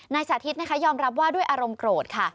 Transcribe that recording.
สาธิตนะคะยอมรับว่าด้วยอารมณ์โกรธค่ะ